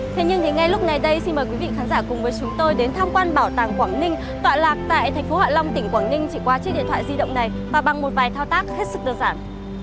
thế nhưng ngay lúc này đây xin mời quý vị khán giả cùng với chúng tôi đến tham quan bảo tàng quảng ninh tọa lạc tại thành phố hạ long tỉnh quảng ninh chỉ qua chiếc điện thoại di động này và bằng một vài thao tác hết sức đơn giản